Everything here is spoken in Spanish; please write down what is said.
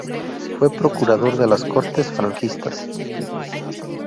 Fue procurador de las Cortes franquistas.